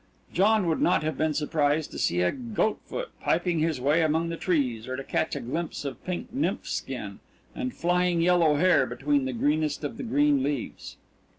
John would not have been surprised to see a goat foot piping his way among the trees or to catch a glimpse of pink nymph skin and flying yellow hair between the greenest of the green leaves.